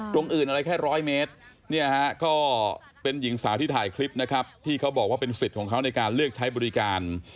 ตรงอื่นอะไรแค่ร้อยเมตรเนี่ยฮะก็เป็นหญิงสาวที่ถ่ายคลิปนะครับที่เขาบอกว่าเป็นสิทธิ์ของเขาในการเลือกใช้บริการ